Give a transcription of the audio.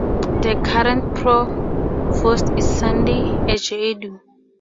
The current provost is Sunday Eje Edo.